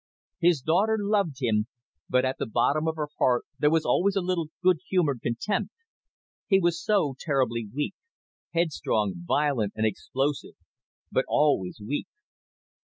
His daughter loved him, but at the bottom of her heart there was always a little good humoured contempt. He was so terribly weak. Headstrong, violent, and explosive, but always weak.